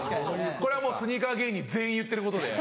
これはスニーカー芸人全員言ってることで。